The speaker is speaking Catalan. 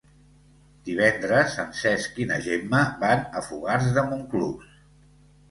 Divendres en Cesc i na Gemma van a Fogars de Montclús.